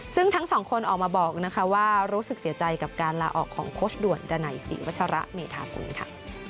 ซึ่งทั้งสองคนออกมาบอกนะคะว่ารู้สึกเสียใจกับการลาออกของโค้ชด่วนดันัยศรีวัชระเมธากุลค่ะ